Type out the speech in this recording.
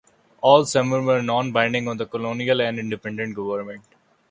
All seven were non-binding on the colonial and independent government.